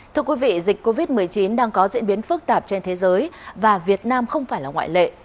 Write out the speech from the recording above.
thưa quý vị dịch covid một mươi chín đang có diễn biến phức tạp trên thế giới và việt nam không phải là ngoại lệ